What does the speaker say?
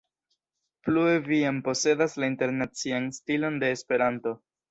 Plue vi jam posedas la internacian stilon de esperanto.